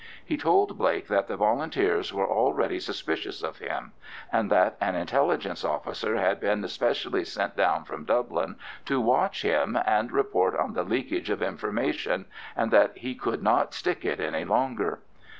He told Blake that the Volunteers were already suspicious of him, and that an intelligence officer had been specially sent down from Dublin to watch him and report on the leakage of information, and that he could not stick it any longer.